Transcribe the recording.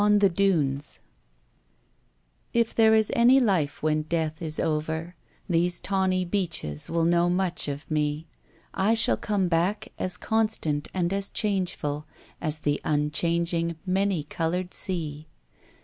On the Dunes If there is any life when death is over, These tawny beaches will know much of me, I shall come back, as constant and as changeful As the unchanging, many colored sea.